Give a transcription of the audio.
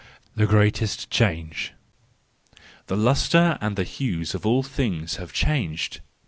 The greatest Change .—The lustre and the hues of all things have changed!